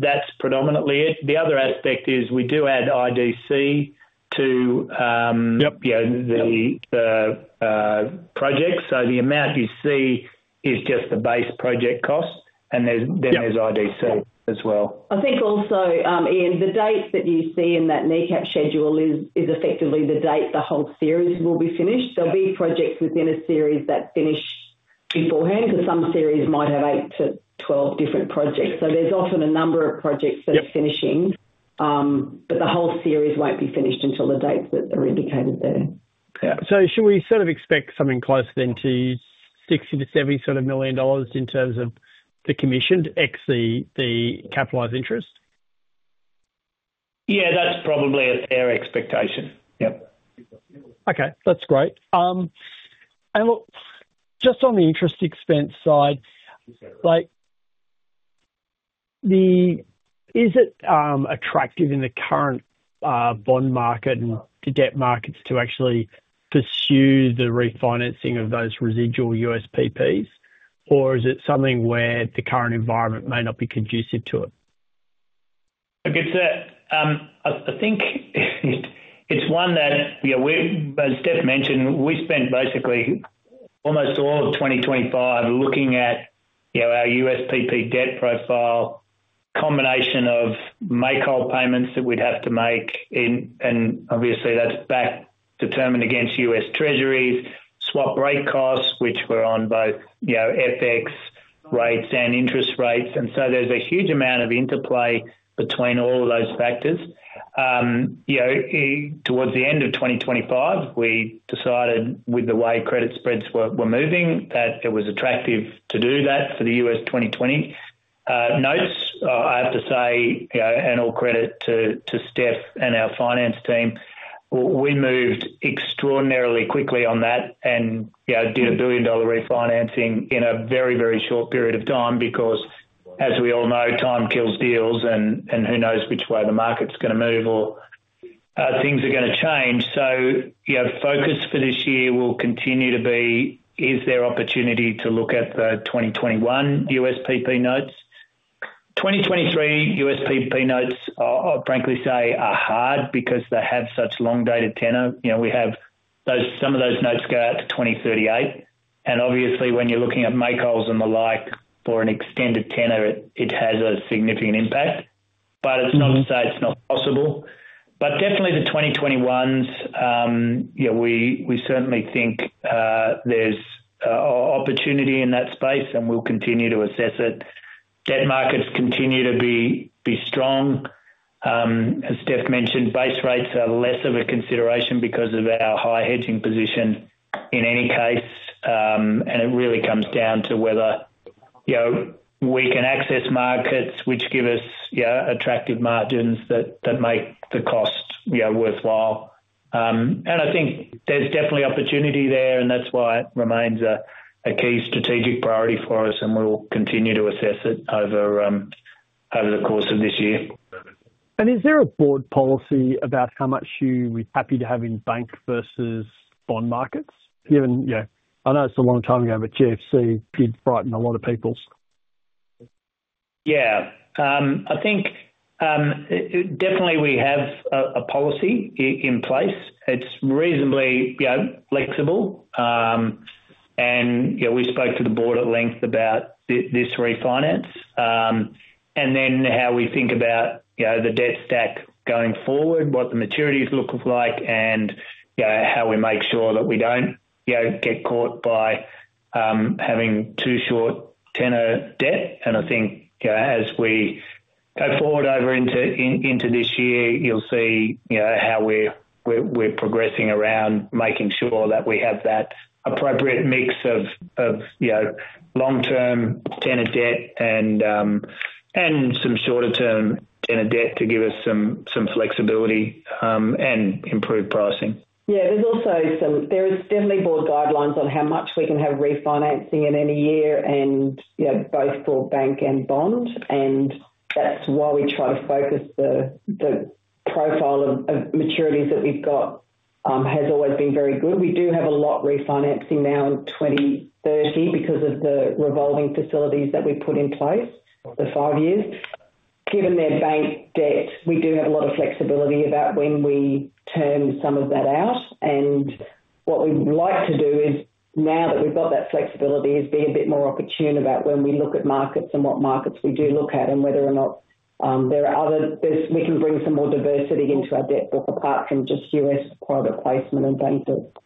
that's predominantly it. The other aspect is we do add IDC to... Yep... you know, the, the, project. The amount you see is just the base project cost, and there's... Yep. There's IDC as well. I think also, Ian, the date that you see in that NECAP schedule is effectively the date the whole series will be finished. There'll be projects within a series that finish beforehand, but some series might have eight to 12 different projects. There's often a number of projects- Yep that are finishing, but the whole series won't be finished until the dates that are indicated there. Yeah. Should we sort of expect something closer then to 60 million-70 million sort of in terms of the commission 8X, the, the capitalized interest? Yeah, that's probably a fair expectation. Yep. Okay, that's great. Look, just on the interest expense side, like, is it attractive in the current bond market and to debt markets to actually pursue the refinancing of those residual USPPs? Or is it something where the current environment may not be conducive to it? Look, it's a, I, I think it's one that, you know, we've- as Steph mentioned, we spent basically almost all of 2025 looking at, you know, our USPP debt profile, combination of make-whole payments that we'd have to make in, and obviously, that's back determined against U.S. treasuries, swap rate costs, which were on both, FX rates and interest rates. There's a huge amount of interplay between all of those factors. Towards the end of 2025, we decided with the way credit spreads were, were moving, that it was attractive to do that for the U.S. 2020 notes. I have to say, you know, and all credit to Steph and our finance team, we moved extraordinarily quickly on that and, you know, did a billion-dollar refinancing in a very, very short period of time because, as we all know, time kills deals, and who knows which way the market's going to move or things are going to change. You know, focus for this year will continue to be, is there opportunity to look at the 2021 USPP notes? 2023 USPP notes, I'll frankly say, are hard because they have such long-dated tenor. You know, we have those, some of those notes go out to 2038, and obviously when you're looking at make-whole and the like for an extended tenor, it has a significant impact. It's not to say it's not possible. Definitely the 2021s, yeah, we, we certainly think there's opportunity in that space, and we'll continue to assess it. Debt markets continue to be strong. As Steph mentioned, base rates are less of a consideration because of our high hedging position in any case, and it really comes down to whether, you know, we can access markets which give us, yeah, attractive margins that, that make the cost, yeah, worthwhile. And I think there's definitely opportunity there, and that's why it remains a key strategic priority for us, and we'll continue to assess it over the course of this year. Is there a board policy about how much you're happy to have in bank versus bond markets, given, you know, I know it's a long time ago, but GFC did frighten a lot of people? Yeah. I think it definitely we have a policy in place. It's reasonably, you know, flexible. You know, we spoke to the board at length about this refinance, and how we think about, you know, the debt stack going forward, what the maturities look like, and, you know, how we make sure that we don't, you know, get caught by having too short tenor debt. I think, you know, as we go forward over into this year, you'll see, you know, how we're progressing around, making sure that we have that appropriate mix of, you know, long-term tenor debt and some shorter-term tenor debt to give us some flexibility and improved pricing. Yeah, there's also there is definitely board guidelines on how much we can have refinancing in any year and, you know, both for bank and bond, and that's why we try to focus the, the profile of, of maturities that we've got, has always been very good. We do have a lot refinancing now in 2030 because of the revolving facilities that we put in place for five years. Given their bank debt, we do have a lot of flexibility about when we term some of that out, and what we'd like to do is, now that we've got that flexibility, is be a bit more opportune about when we look at markets and what markets we do look at, and whether or not, there are other... We can bring some more diversity into our debt book apart from just US private placement and bank debt.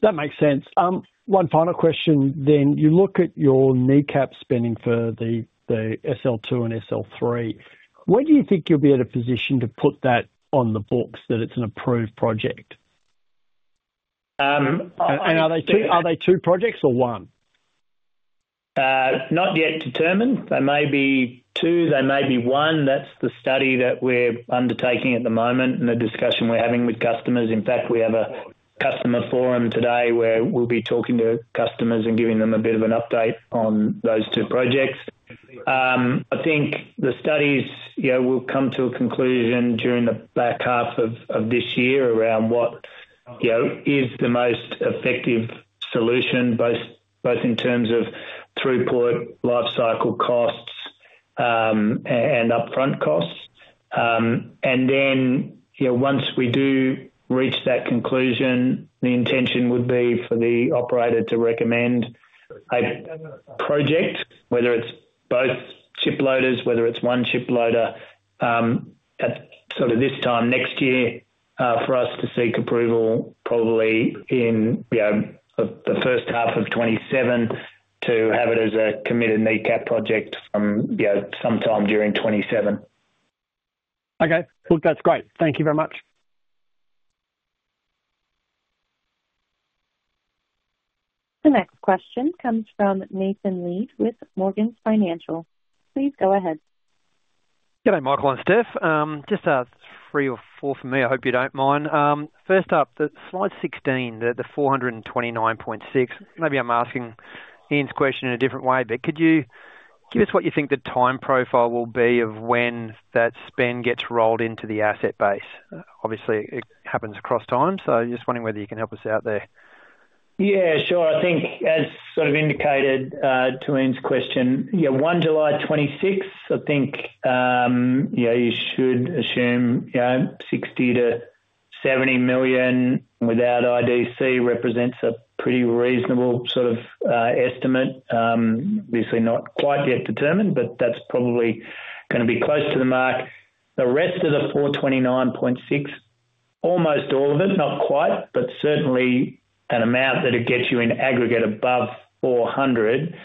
That makes sense. One final question. You look at your NECAP spending for the SL2 and SL3. When do you think you'll be at a position to put that on the books, that it's an approved project? Um, I- Are they two projects or one? Not yet determined. They may be two, they may be one. That's the study that we're undertaking at the moment and the discussion we're having with customers. In fact, we have a customer forum today where we'll be talking to customers and giving them a bit of an update on those two projects. I think the studies, you know, will come to a conclusion during the back half of this year around what, you know, is the most effective solution, both in terms of throughput, life cycle costs, and upfront costs. You know, once we do reach that conclusion, the intention would be for the operator to recommend a project, whether it's both ship loaders, whether it's one ship loader, at sort of this time next year, for us to seek approval, probably in, you know, the, the first half of 2027, to have it as a committed NECAP project from, you know, sometime during 2027. Okay, look, that's great. Thank you very much. The next question comes from Nathan Lead with Morgan Stanley. Please go ahead. G'day, Michael and Steph. Just 3 or 4 for me, I hope you don't mind. First up, the Slide 16, the 429.6. Maybe I'm asking Ian's question in a different way, but could you give us what you think the time profile will be of when that spend gets rolled into the asset base? Obviously, it happens across time, so just wondering whether you can help us out there. Sure. I think as sort of indicated to Ian's question, 1 July 2026, I think, you should assume, you know, 60 million-70 million without IDC represents a pretty reasonable sort of estimate. Obviously not quite yet determined, but that's probably gonna be close to the mark. The rest of the 429.6 million, almost all of it, not quite, but certainly an amount that it gets you in aggregate above 400 million,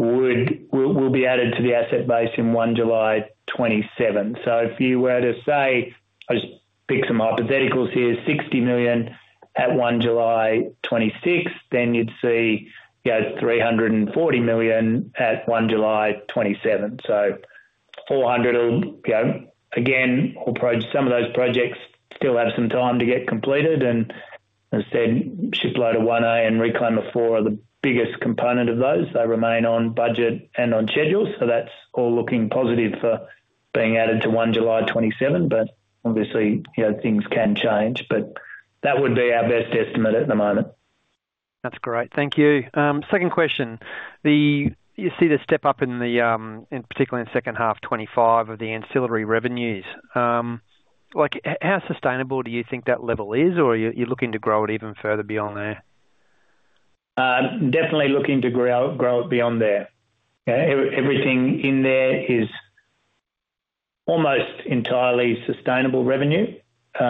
would, will, will be added to the asset base in 1 July 2027. If you were to say, I'll just pick some hypotheticals here, 60 million at 1 July 2026, then you'd see 340 million at 1 July 2027. 400 million will, you know, again, or pro- some of those projects still have some time to get completed. As I said, Shiploader 1A and Reclaimer 4 are the biggest component of those. They remain on budget and on schedule, so that's all looking positive for being added to 1 July 2027. Obviously, you know, things can change, but that would be our best estimate at the moment. That's great. Thank you. Second question, the, you see the step up in the, in particular in the second half, 25 of the ancillary revenues. Like, how sustainable do you think that level is, or are you looking to grow it even further beyond there? Definitely looking to grow, grow it beyond there. Yeah, everything in there is almost entirely sustainable revenue, in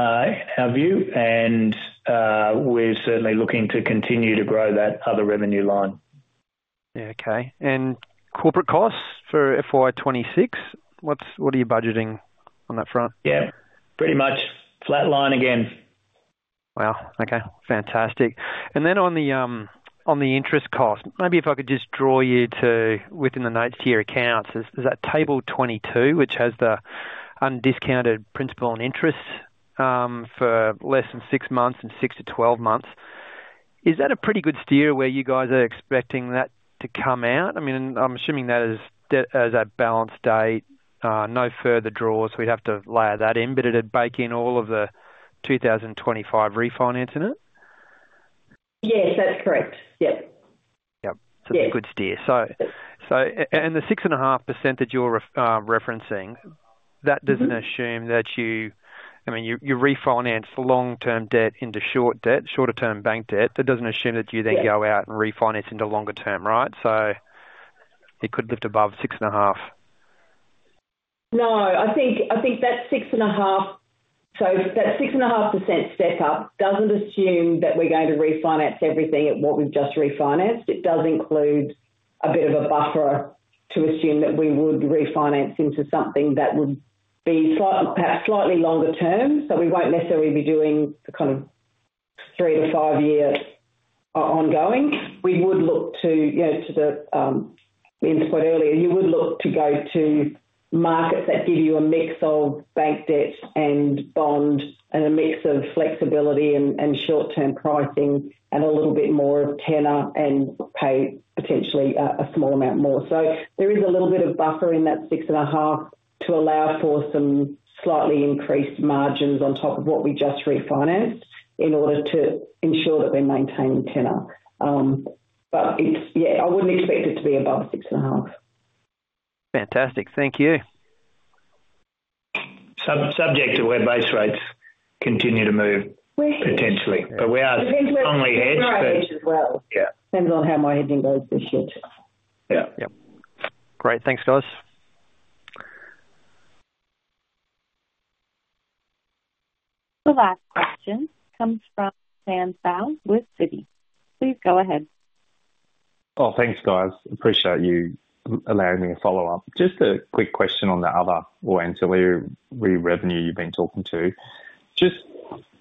our view, and we're certainly looking to continue to grow that other revenue line. Yeah, okay. Corporate costs for FY 26, what's, what are you budgeting on that front? Yeah, pretty much flat line again. Wow! Okay, fantastic. On the interest cost, maybe if I could just draw you to within the notes to your accounts. Is that table 22, which has the undiscounted principal and interest, for less than six months and six to 12 months. Is that a pretty good steer where you guys are expecting that to come out? I mean, I'm assuming that is de- as at balance date, no further draws. We'd have to layer that in, but it'd bake in all of the 2025 refinance in it? Yes, that's correct. Yep. Yep. Yes. It's a good steer. The 6.5% that you're referencing, that doesn't assume that you... I mean, you, you refinance long-term debt into short debt, shorter term bank debt. That doesn't assume that you then- Yes... go out and refinance into longer term, right? It could lift above 6.5. No, I think, I think that's 6.5. That 6.5% step up doesn't assume that we're going to refinance everything at what we've just refinanced. It does include a bit of a buffer to assume that we would refinance into something that would be perhaps slightly longer term. We won't necessarily be doing the kind of three to five year ongoing. We would look to, you know, to the input earlier. You would look to go to markets that give you a mix of bank debt and bond, and a mix of flexibility and short-term pricing, and a little bit more of tenor, and pay potentially a small amount more. There is a little bit of buffer in that 6.5 to allow for some slightly increased margins on top of what we just refinanced, in order to ensure that we're maintaining tenor. It's... Yeah, I wouldn't expect it to be above 6.5. Fantastic. Thank you. Subject to where base rates continue to move, potentially. Well, yes. We are strongly hedged. As well. Yeah. Depends on how my hedging goes this year. Yeah. Yep. Great, thanks, guys. The last question comes from Samuel Seow with Citi. Please go ahead. Oh, thanks, guys. Appreciate you allowing me to follow up. Just a quick question on the other or ancillary re-revenue you've been talking to. Just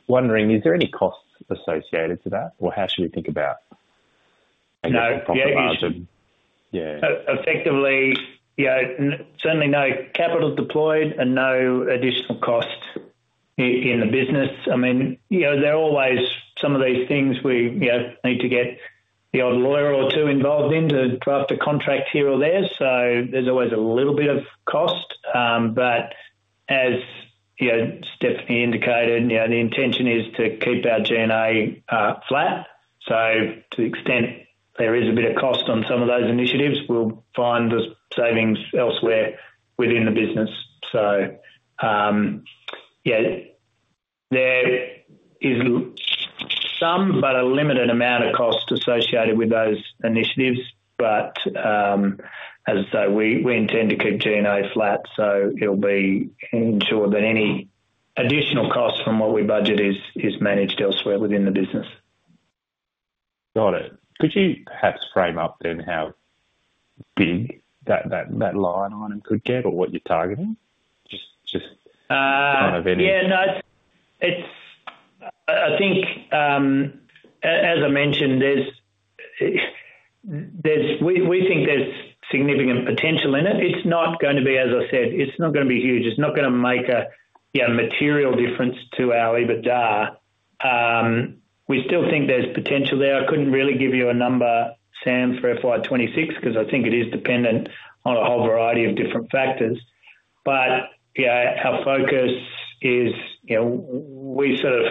wondering, is there any costs associated to that, or how should we think about- No. Yeah. Effectively, you know, certainly no capital deployed and no additional cost in the business. I mean, you know, there are always some of these things we, you know, need to get the odd lawyer or two involved in to draft a contract here or there. There's always a little bit of cost. As, you know, Stephanie indicated, you know, the intention is to keep our G&A flat. To the extent there is a bit of cost on some of those initiatives, we'll find the savings elsewhere within the business. Yeah, there is some, but a limited amount of cost associated with those initiatives. As I say, we, we intend to keep G&A flat, so it'll be ensured that any additional costs from what we budget is, is managed elsewhere within the business. Got it. Could you perhaps frame up then, how big that, that, that line item could get or what you're targeting? Just, just Yeah, no, it's, I, I think, as I mentioned, there's, we, we think there's significant potential in it. It's not going to be, as I said, it's not gonna be huge, it's not gonna make a, you know, material difference to our EBITDA. We still think there's potential there. I couldn't really give you a number, Sam, for FY 2026 because I think it is dependent on a whole variety of different factors. You know, our focus is, you know, we sort of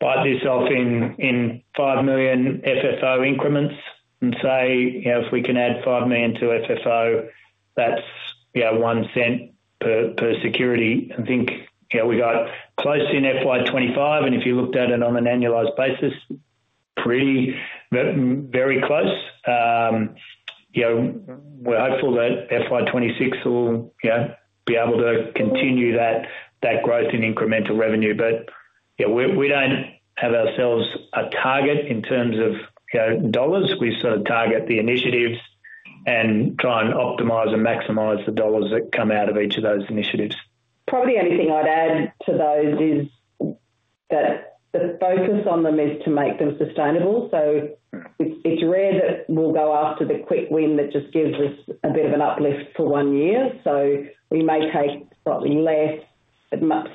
bite this off in, in 5 million FFO increments and say, you know, if we can add 5 million to FFO, that's, you know, 0.01 per, per security. I think, you know, we got close in FY 2025, and if you looked at it on an annualized basis, pretty, very close. you know, we're hopeful that FY 2026 will, you know, be able to continue that, that growth in incremental revenue. Yeah, we, we don't have ourselves a target in terms of, you know, Australian dollars. We sort of target the initiatives and try and optimize and maximize the Australian dollars that come out of each of those initiatives. Probably the only thing I'd add to those is that the focus on them is to make them sustainable. Mm. It's, it's rare that we'll go after the quick win that just gives us a bit of an uplift for one year. But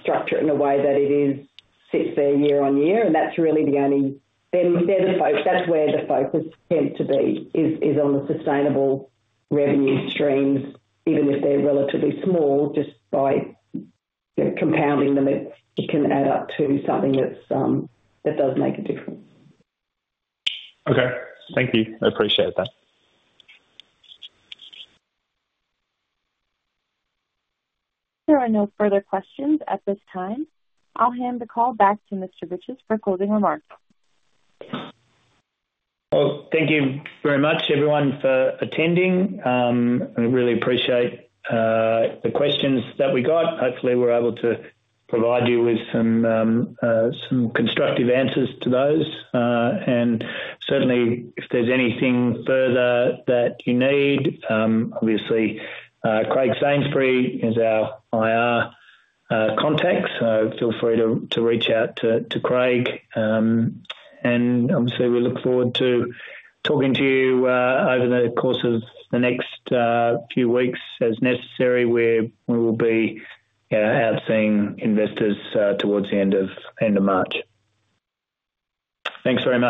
structure it in a way that it is, sits there year on year, and that's really the only... They're, they're That's where the focus tends to be, is on the sustainable revenue streams, even if they're relatively small, just by, you know, compounding them, it, it can add up to something that's that does make a difference. Okay. Thank you. I appreciate that. There are no further questions at this time. I'll hand the call back to Michael Riches for closing remarks. Well, thank you very much, everyone, for attending. I really appreciate the questions that we got. Hopefully, we're able to provide you with some constructive answers to those. Certainly, if there's anything further that you need, obviously, Craig Sainsbury is our IR contact, so feel free to reach out to Craig. Obviously, we look forward to talking to you over the course of the next few weeks as necessary, where we will be, you know, out seeing investors towards the end of March. Thanks very much.